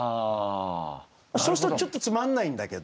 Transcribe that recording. そうするとちょっとつまんないんだけど。